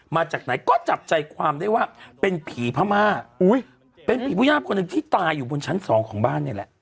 มาจากไหนก็จับใจความได้ว่าเป็นผีพม่าอุ้ยเป็นผีผู้ย่าบคนหนึ่งที่ตายอยู่บนชั้นสองของบ้านนี่แหละ